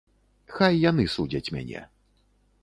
Хай яны судзяць мяне.